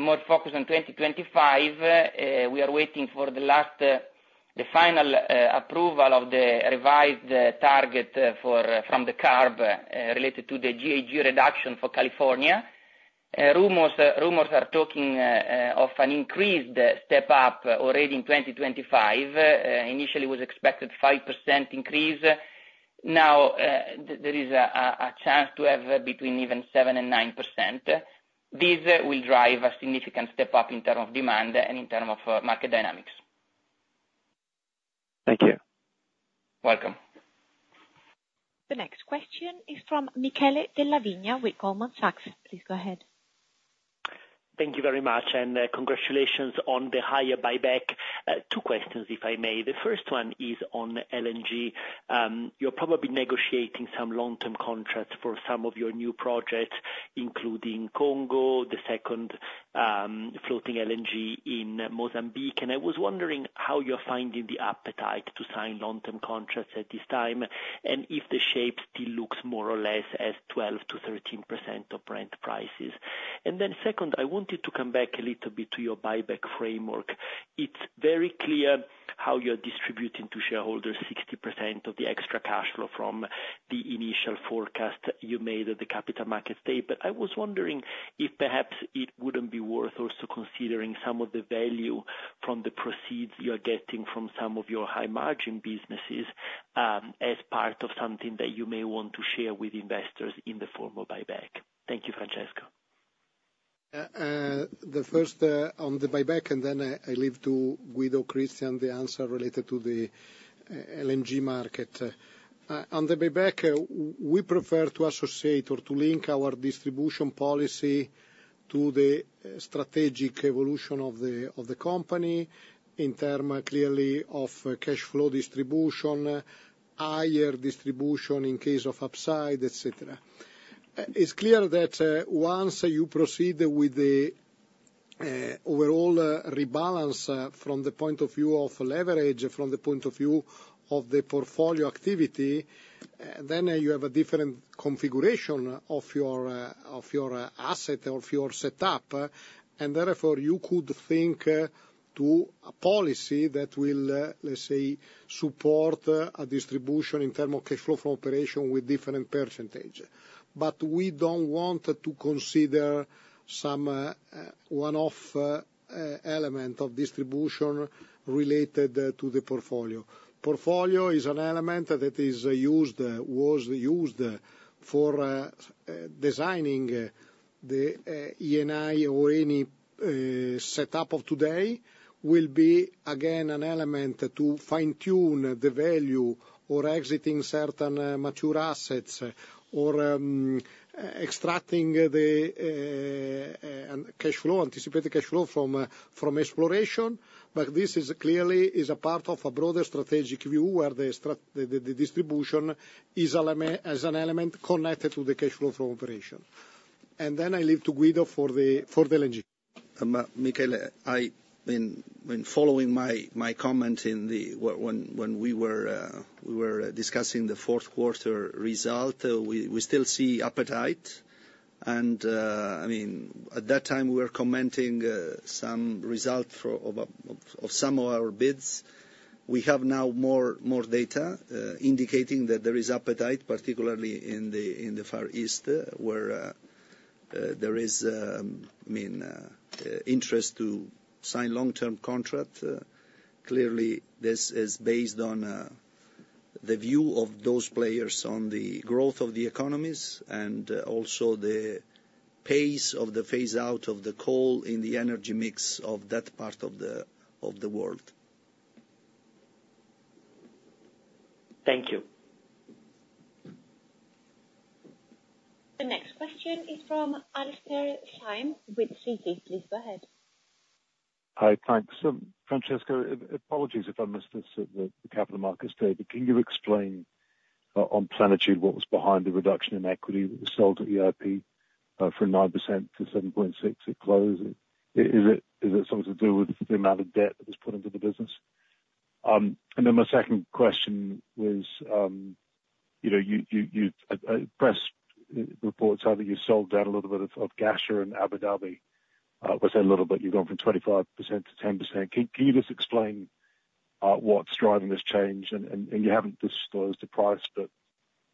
more focus on 2025. We are waiting for the final approval of the revised target from the CARB related to the GHG reduction for California. Rumors are talking of an increased step-up already in 2025. Initially, it was expected 5% increase. Now, there is a chance to have between even 7%-9%. This will drive a significant step-up in terms of demand and in terms of market dynamics. Thank you. Welcome. The next question is from Michele Della Vigna with Goldman Sachs. Please go ahead. Thank you very much. And congratulations on the higher buyback. Two questions, if I may. The first one is on LNG. You're probably negotiating some long-term contracts for some of your new projects, including Congo, the second floating LNG in Mozambique. And I was wondering how you're finding the appetite to sign long-term contracts at this time and if the shape still looks more or less as 12%-13% of Brent prices. And then second, I wanted to come back a little bit to your buyback framework. It's very clear how you're distributing to shareholders 60% of the extra cash flow from the initial forecast you made at the Capital Markets Day. I was wondering if perhaps it wouldn't be worth also considering some of the value from the proceeds you're getting from some of your high-margin businesses as part of something that you may want to share with investors in the form of buyback. Thank you, Francesco. The first on the buyback, and then I leave to Guido, Cristian, the answer related to the LNG market. On the buyback, we prefer to associate or to link our distribution policy to the strategic evolution of the company in terms clearly of cash flow distribution, higher distribution in case of upside, etc. It's clear that once you proceed with the overall rebalance from the point of view of leverage, from the point of view of the portfolio activity, then you have a different configuration of your asset or of your setup. And therefore, you could think to a policy that will, let's say, support a distribution in terms of cash flow from operation with different percentage. But we don't want to consider some one-off element of distribution related to the portfolio. Portfolio is an element that was used for designing the Eni or any setup of today will be, again, an element to fine-tune the value or exiting certain mature assets or extracting the anticipated cash flow from exploration. But this clearly is a part of a broader strategic view where the distribution is an element connected to the cash flow from operation. And then I leave to Guido for the LNG. Michele, I mean, following my comment when we were discussing the fourth quarter result, we still see appetite. And I mean, at that time, we were commenting some results of some of our bids. We have now more data indicating that there is appetite, particularly in the Far East where there is, I mean, interest to sign long-term contracts. Clearly, this is based on the view of those players on the growth of the economies and also the pace of the phase-out of the coal in the energy mix of that part of the world. Thank you. The next question is from Alastair Syme with Citi. Please go ahead. Hi. Thanks. Francesco, apologies if I missed this at the Capital Markets Day. But can you explain on Plenitude what was behind the reduction in equity that was sold at EIP from 9% to 7.6% at close? Is it something to do with the amount of debt that was put into the business? And then my second question was there are press reports saying that you've sold down a little bit of Ghasha in Abu Dhabi. Was there a little bit? You've gone from 25% to 10%. Can you just explain what's driving this change? And you haven't disclosed the price, but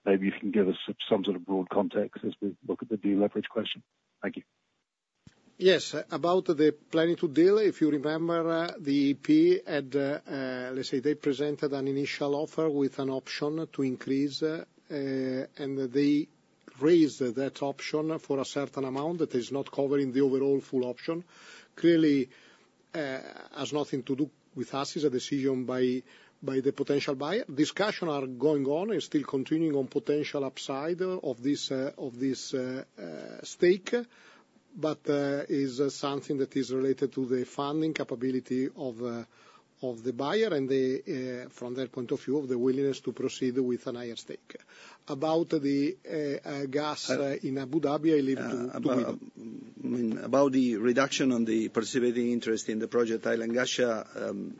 maybe you can give us some sort of broad context as we look at the deal leverage question. Thank you. Yes. About the Plenitude deal, if you remember, the EIP, let's say, they presented an initial offer with an option to increase. And they raised that option for a certain amount that is not covering the overall full option. Clearly, has nothing to do with us. It's a decision by the potential buyer. Discussions are going on. It's still continuing on potential upside of this stake. But it's something that is related to the funding capability of the buyer and, from their point of view, of the willingness to proceed with a higher stake. About the gas in Abu Dhabi, I leave to Guido. I mean, about the reduction on the participating interest in the project Hail and Ghasha,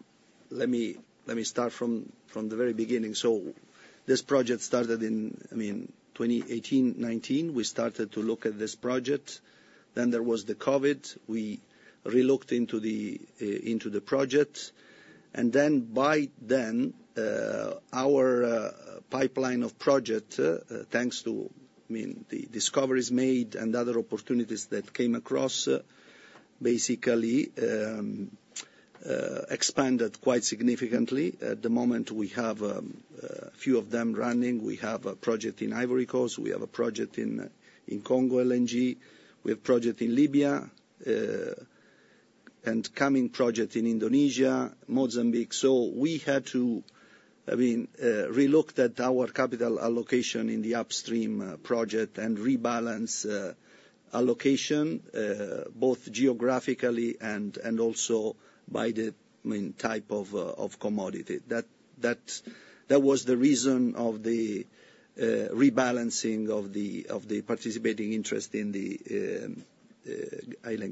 let me start from the very beginning. So this project started in, I mean, 2018, 2019. We started to look at this project. Then there was the COVID. We relooked into the project. And then by then, our pipeline of projects, thanks to, I mean, the discoveries made and other opportunities that came across, basically expanded quite significantly. At the moment, we have a few of them running. We have a project in Ivory Coast. We have a project in Congo LNG. We have a project in Libya and a coming project in Indonesia, Mozambique. So we had to, I mean, relook at our capital allocation in the upstream project and rebalance allocation, both geographically and also by the type of commodity. That was the reason of the rebalancing of the participating interest in the Hail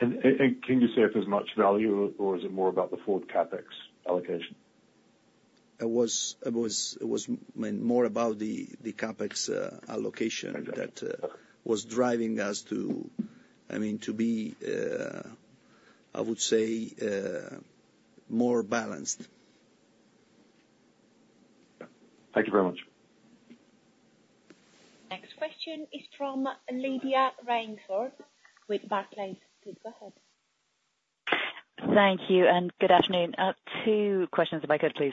and Ghasha project. Can you say if there's much value, or is it more about the forward CapEx allocation? It was, I mean, more about the CapEx allocation that was driving us to, I mean, to be, I would say, more balanced. Thank you very much. Next question is from Lydia Sherwood with Barclays. Please go ahead. Thank you. Good afternoon. Two questions, if I could, please.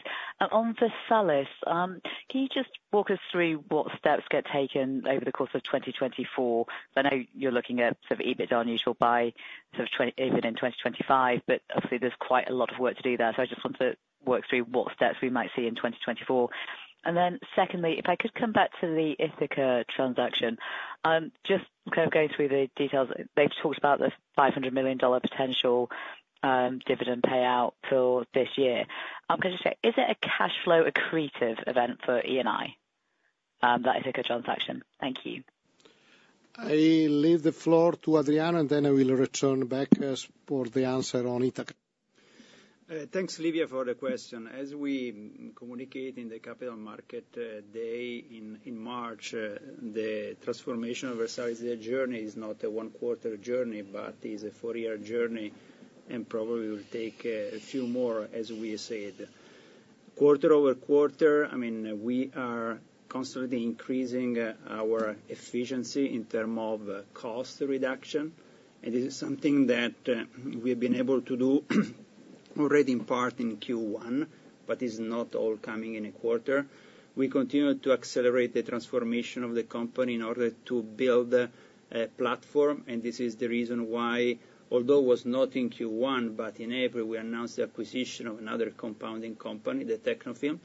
On Versalis, can you just walk us through what steps get taken over the course of 2024? I know you're looking at sort of EBITDA neutral by sort of EBIT in 2025, but obviously, there's quite a lot of work to do there. So I just want to work through what steps we might see in 2024. And then secondly, if I could come back to the Ithaca transaction, just kind of going through the details. They've talked about the $500 million potential dividend payout for this year. I'm going to just say, is it a cash flow accretive event for Eni, that Ithaca transaction? Thank you. I leave the floor to Adriano, and then I will return back for the answer on Ithaca. Thanks, Lydia, for the question. As we communicate in the Capital Market Day in March, the transformation of Versalis' journey is not a one-quarter journey, but it is a four-year journey and probably will take a few more, as we said. Quarter-over-quarter, I mean, we are constantly increasing our efficiency in terms of cost reduction. And this is something that we have been able to oo already in part in Q1, but it's not all coming in a quarter. We continue to accelerate the transformation of the company in order to build a platform. This is the reason why, although it was not in Q1, but in April, we announced the acquisition of another compounding company, the Tecnofilm,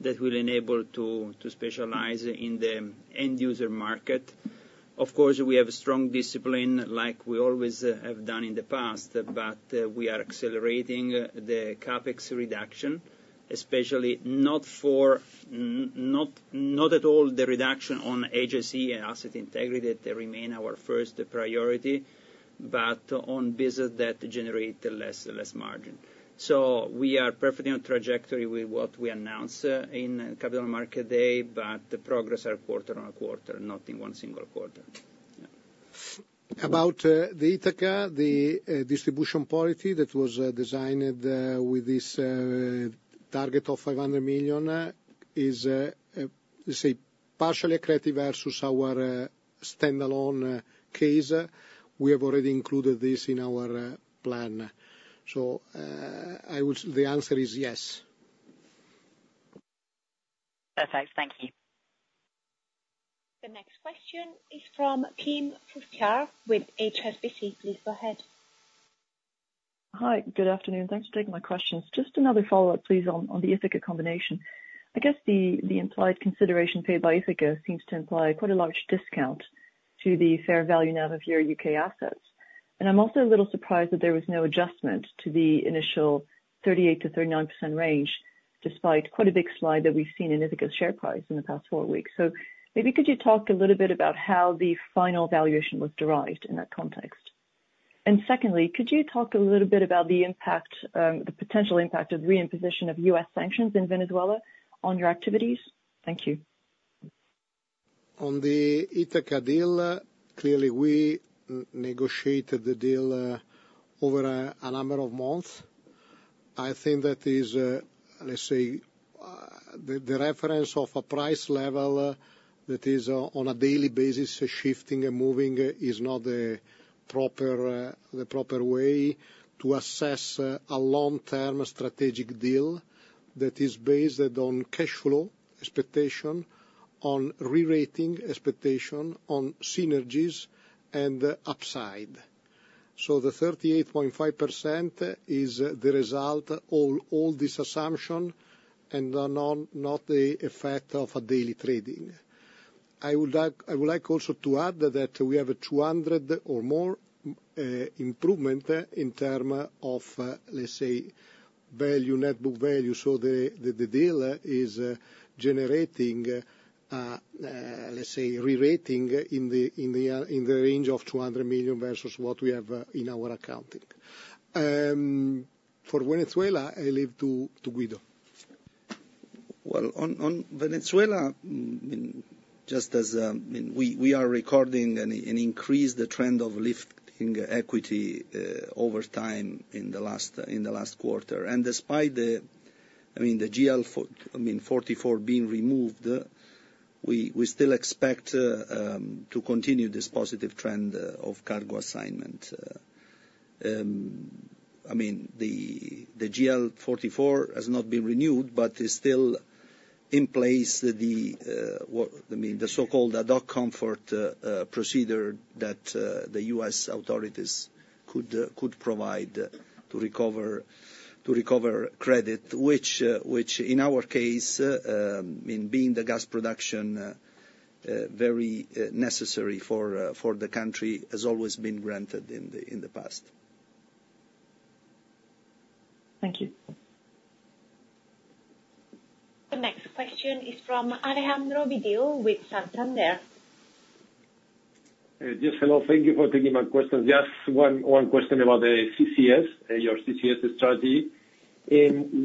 that will enable us to specialize in the end-user market. Of course, we have strong discipline, like we always have done in the past. But we are accelerating the CapEx reduction, especially not at all the reduction on HSE, asset integrity. They remain our first priority, but on business that generate less margin. We are perfectly on trajectory with what we announced in Capital Markets Day, but progress is quarter-over-quarter, not in one single quarter. Yeah. About the Ithaca, the distribution policy that was designed with this target of 500 million is, let's say, partially accretive versus our standalone case. We have already included this in our plan. So the answer is yes. Perfect. Thank you. The next question is from Kim Fustier with HSBC. Please go ahead. Hi. Good afternoon. Thanks for taking my questions. Just another follow-up, please, on the Ithaca combination. I guess the implied consideration paid by Ithaca seems to imply quite a large discount to the fair value now of your U.K. assets. And I'm also a little surprised that there was no adjustment to the initial 38%-39% range, despite quite a big slide that we've seen in Ithaca's share price in the past four weeks. So maybe could you talk a little bit about how the final valuation was derived in that context? And secondly, could you talk a little bit about the potential impact of reimposition of U.S. sanctions in Venezuela on your activities? Thank you. On the Ithaca deal, clearly, we negotiated the deal over a number of months. I think that is, let's say, the reference of a price level that is on a daily basis shifting and moving is not the proper way to assess a long-term strategic deal that is based on cash flow expectation, on rerating expectation, on synergies, and upside. So the 38.5% is the result of all this assumption and not the effect of a daily trading. I would like also to add that we have 200 or more improvements in terms of, let's say, net book value. So the deal is generating, let's say, rerating in the range of 200 million versus what we have in our accounting. For Venezuela, I leave to Guido. Well, on Venezuela, I mean, just as I mean, we are recording an increased trend of lifting equity over time in the last quarter. Despite the, I mean, the GL, I mean, 44 being removed, we still expect to continue this positive trend of cargo assignment. I mean, the GL 44 has not been renewed, but it's still in place, I mean, the so-called ad hoc comfort procedure that the U.S. authorities could provide to recover credit, which in our case, I mean, being the gas production very necessary for the country has always been granted in the past. Thank you. The next question is from Alejandro Vigil with Santander. Yes. Hello. Thank you for taking my questions. Yes. One question about the CCS, your CCS strategy.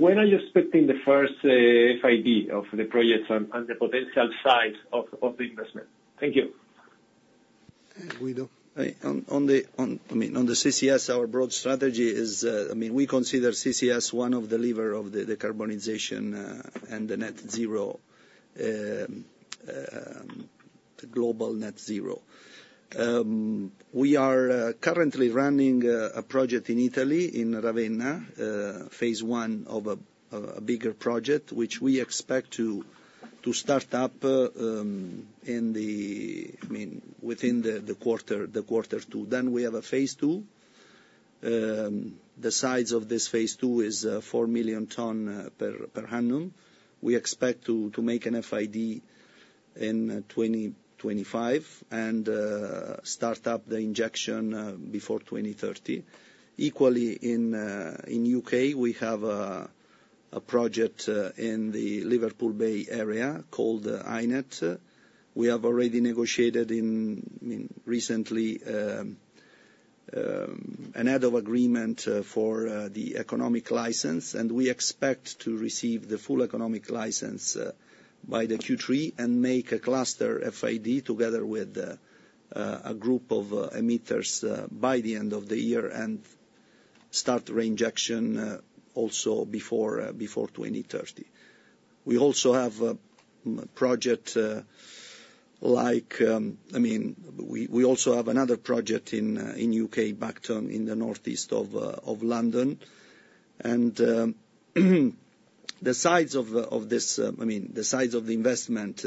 When are you expecting the first FID of the projects and the potential size of the investment? Thank you. Guido. I mean, on the CCS, our broad strategy is, I mean, we consider CCS one of the levers of the decarbonization and the global net zero. We are currently running a project in Italy, in Ravenna, phase one of a bigger project, which we expect to start up in the, I mean, within the quarter two. Then we have a phase two. The size of this phase two is 4 million tons per annum. We expect to make an FID in 2025 and start up the injection before 2030. Equally, in U.K., we have a project in the Liverpool Bay area called HyNet. We have already negotiated, I mean, recently, an add-on agreement for the economic license. And we expect to receive the full economic license by the Q3 and make a cluster FID together with a group of emitters by the end of the year and start reinjection also before 2030. We also have a project like, I mean, we also have another project in U.K., Bacton, in the northeast of London. The size of this, I mean, the size of the investment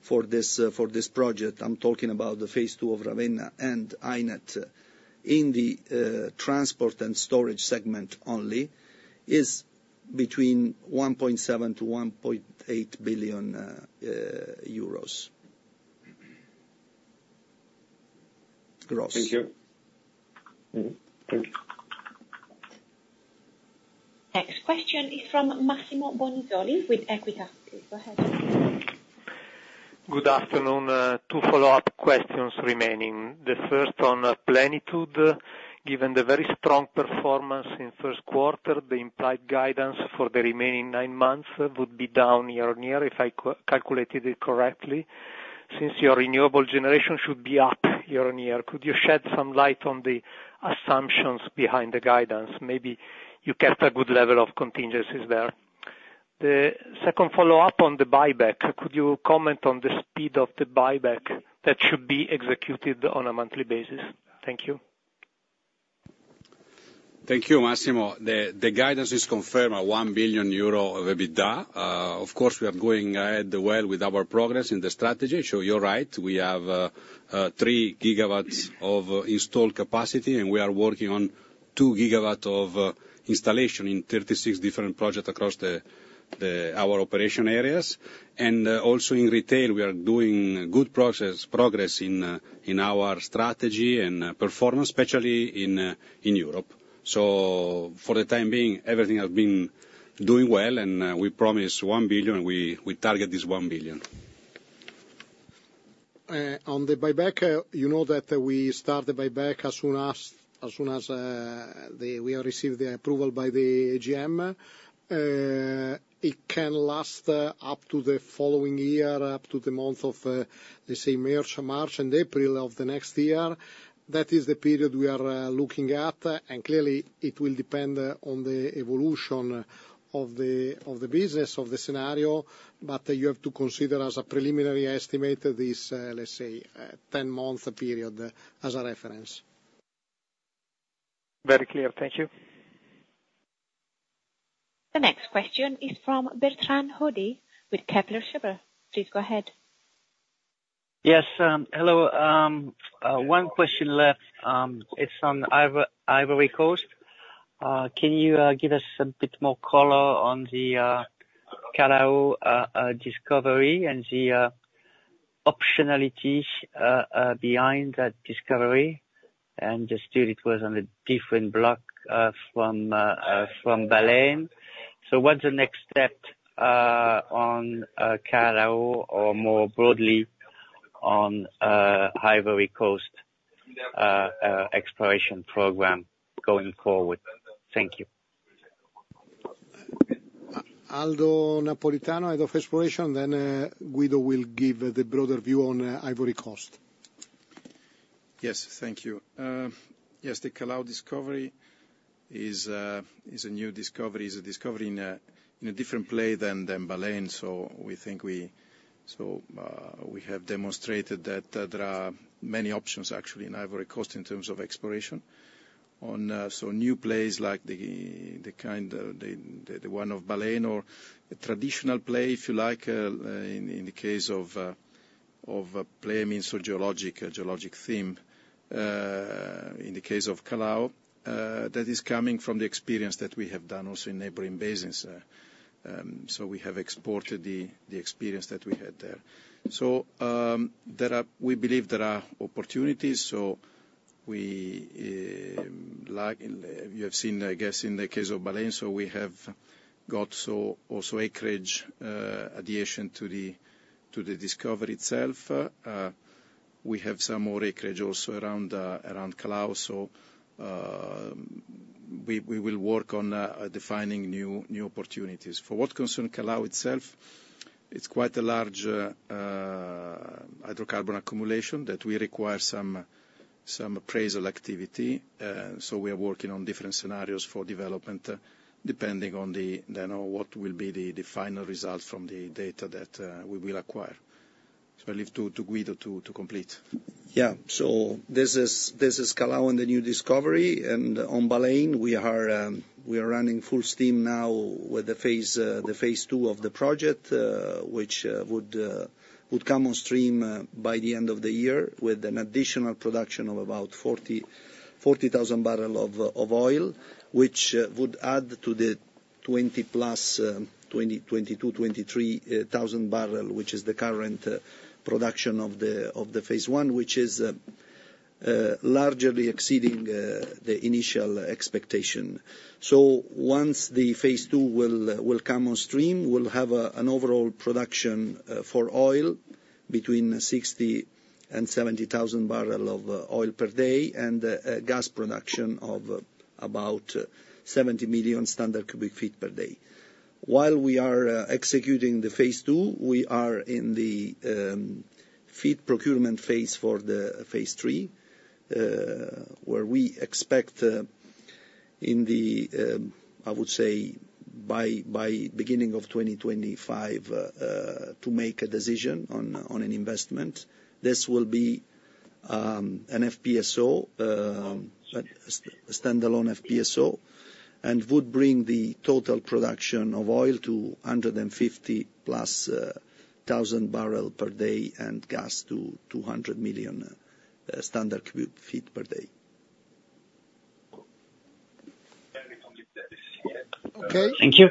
for this project, I'm talking about the phase two of Ravenna and HyNet in the transport and storage segment only, is between EUR 1.7 billion-EUR 1.8 billion gross. Thank you. Thank you. Next question is from Massimo Bonisoli with Equita. Please go ahead. Good afternoon. Two follow-up questions remaining. The first on Plenitude. Given the very strong performance in first quarter, the implied guidance for the remaining nine months would be down year-over-year, if I calculated it correctly, since your renewable generation should be up year-over-year. Could you shed some light on the assumptions behind the guidance? Maybe you kept a good level of contingencies there. The second follow-up on the buyback. Could you comment on the speed of the buyback that should be executed on a monthly basis? Thank you. Thank you, Massimo. The guidance is confirmed at 1 billion euro will be done. Of course, we are going ahead well with our progress in the strategy. So you're right. We have 3 GW of installed capacity, and we are working on 2 GW of installation in 36 different projects across our operation areas. And also, in retail, we are doing good progress in our strategy and performance, especially in Europe. So for the time being, everything has been doing well, and we promised 1 billion, and we target this 1 billion. On the buyback, you know that we start the buyback as soon as we receive the approval by the AGM. It can last up to the following year, up to the month of, let's say, March, and April of the next year. That is the period we are looking at. And clearly, it will depend on the evolution of the business, of the scenario. But you have to consider, as a preliminary estimate, this, let's say, 10-month period as a reference. Very clear. Thank you. The next question is from Bertrand Hodee with Kepler Cheuvreux. Please go ahead. Yes. Hello. One question left. It's on Ivory Coast. Can you give us a bit more color on the Calao Discovery and the optionality behind that discovery? And just due to it was on a different block from Baleine. So what's the next step on Calao, or more broadly, on Ivory Coast exploration program going forward? Thank you. Aldo Napolitano, Head of Exploration. Then Guido will give the broader view on Ivory Coast. Yes. Thank you. Yes. The Calao Discovery is a new discovery. It's a discovery in a different play than Baleine. So we think we have demonstrated that there are many options, actually, in Ivory Coast in terms of exploration. So new plays like the kind the one of Baleine or a traditional play, if you like, in the case of Baleine, so geologic theme, in the case of Calao, that is coming from the experience that we have done also in neighboring basins. So we have exported the experience that we had there. So we believe there are opportunities. So you have seen, I guess, in the case of Baleine, so we have got also acreage adjacent to the discovery itself. We have some more acreage also around Calao. So we will work on defining new opportunities. For what concerns Calao itself, it's quite a large hydrocarbon accumulation that we require some appraisal activity. So we are working on different scenarios for development depending on the then what will be the final results from the data that we will acquire. So I leave to Guido to complete. Yeah. So this is Calao and the new discovery. And on Baleine, we are running full steam now with the phase two of the project, which would come on stream by the end of the year with an additional production of about 40,000 barrels of oil, which would add to the 20 plus, 22,000-23,000 barrels, which is the current production of the phase one, which is largely exceeding the initial expectation. So once the phase two will come on stream, we'll have an overall production for oil between 60,000-70,000 barrels of oil per day and gas production of about 70 million standard cubic feet per day. While we are executing the phase II, we are in the feed procurement phase for the phase III, where we expect, in the, I would say, by beginning of 2025, to make a decision on an investment. This will be an FPSO, a standalone FPSO, and would bring the total production of oil to 150,000+ barrels per day and gas to 200 million standard cubic feet per day. Okay. Thank you.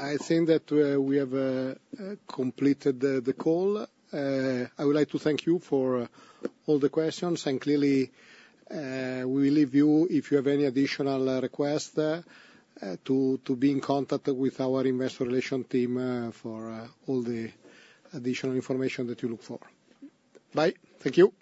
I think that we have completed the call. I would like to thank you for all the questions. And clearly, we will leave you, if you have any additional request, to be in contact with our Investor Relations team for all the additional information that you look for. Bye. Thank you.